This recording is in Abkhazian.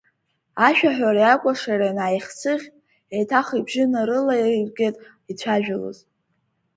Ашәаҳәареи акәашареи анааихсыӷь, еиҭах ибжьы нарылаиргеит ицәажәалоз…